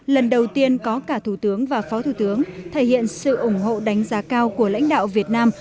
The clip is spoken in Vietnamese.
lần đầu tiên có cả thủ tướng và phó thủ tướng thể hiện sự ủng hộ đánh giá cao của lãnh đạo việt nam